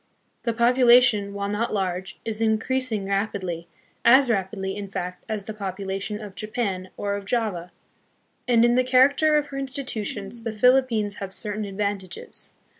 The population, while not large, is increasing rapidly, as rapidly, in fact, as the population of Japan or of Java. And in the char acter of her institutions the Philippines have certain advantages.